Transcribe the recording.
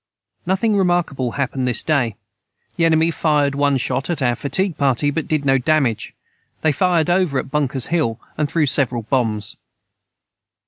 Nothing remarkable hapened this day the enemy fired one shot at our fatigue party but did no damage they fired over at Bunkers hill and threw several Bombs.